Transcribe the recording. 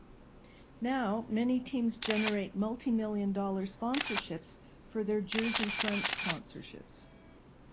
Now, many teams generate multimillion-dollar sponsorships for their jersey-front sponsorships.